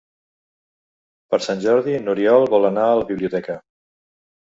Per Sant Jordi n'Oriol vol anar a la biblioteca.